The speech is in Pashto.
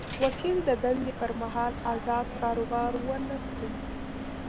وکیل د دندې پر مهال ازاد کاروبار ونه کړي.